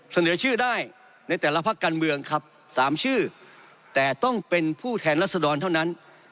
เสนอชื่อได้ในแต่ละพักการเมืองครับ๓ชื่อแต่ต้องเป็นผู้แทนรัศดรเท่านั้น